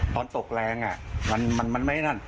ตอนตกแรงมันไม่ได้ทัน